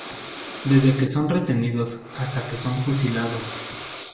Desde que son retenidos hasta que son fusilados.